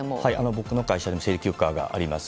僕の会社でも生理休暇があります。